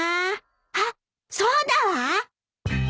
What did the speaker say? あっそうだわ！